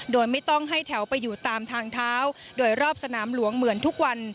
โดยไม่ต้องให้แถวไปอยู่ตามทางเท้าโดยรอบสนามหลวงเหมือนทุกวัน